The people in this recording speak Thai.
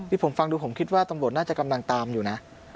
ผมฟังดูผมคิดว่าตำรวจน่าจะกำลังตามอยู่นะ